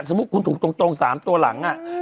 สมมุติคุณถูกตรง๓ตัวหลัง